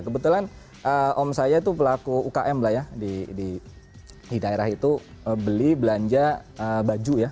kebetulan om saya itu pelaku ukm lah ya di daerah itu beli belanja baju ya